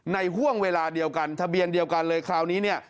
ห่วงเวลาเดียวกันทะเบียนเดียวกันเลยคราวนี้เนี่ย